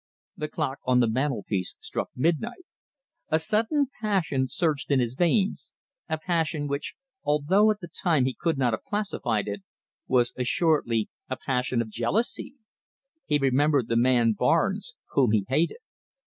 The clock on the mantelpiece struck midnight. A sudden passion surged in his veins, a passion which, although at the time he could not have classified it, was assuredly a passion of jealousy! He remembered the man Barnes, whom he hated.